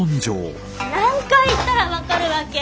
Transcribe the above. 何回言ったら分かるわけ？